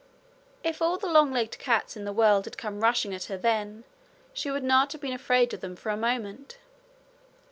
If all the long legged cats in the world had come rushing at her then she would not have been afraid of them for a moment.